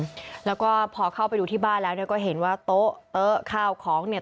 แล้วก็พอเข้าไปดูที่บ้านแล้วเนี่ยก็เห็นว่าโต๊ะโต๊ะข้าวของเนี่ย